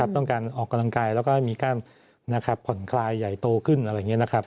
ต้องการออกกำลังกายแล้วก็ให้มีการผ่อนคลายใหญ่โตขึ้นอะไรอย่างนี้นะครับ